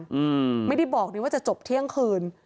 อืมไม่ได้บอกดีว่าจะจบเที่ยงคืน